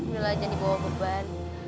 belah jadi bawa beban